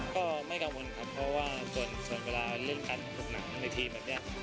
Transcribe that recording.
ก็ไม่กังวลครับเพราะว่าส่วนเวลาเรื่องการตกหนังในทีมแบบนี้